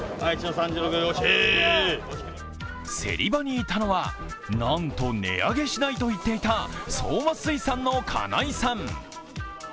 競り場にいたのは、なんと値上げしないと言っていたそうま水産の金井さん。